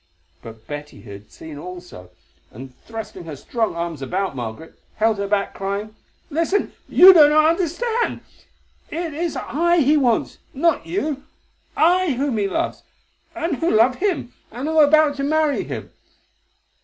But Betty had seen also, and, thrusting her strong arms about Margaret, held her back, crying: "Listen, you do not understand. It is I he wants—not you; I whom he loves, and who love him, and am about to marry him.